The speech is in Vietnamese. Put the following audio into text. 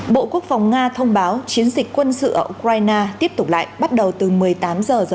bộ quốc phòng nga thông báo chiến dịch quân sự ở ukraine tiếp tục lại bắt đầu từ một mươi tám h